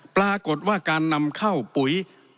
ปรากฏว่าการนำเข้าปุ๋ย